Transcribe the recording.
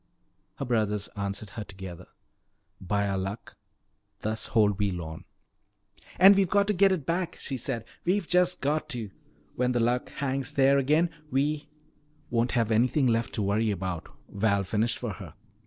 Her brothers answered her together: "By our Luck, thus hold we Lorne!" "And we've got to get it back," she said. "We've just got to! When the Luck hangs there again, we " "Won't have anything left to worry about," Val finished for her.